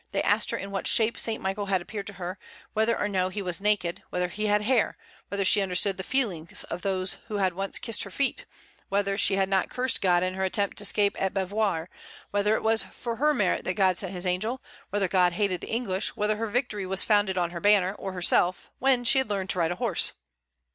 They asked her in what shape Saint Michael had appeared to her; whether or no he was naked; whether he had hair; whether she understood the feelings of those who had once kissed her feet; whether she had not cursed God in her attempt to escape at Beauvoir; whether it was for her merit that God sent His angel; whether God hated the English; whether her victory was founded on her banner or on herself; when had she learned to ride a horse.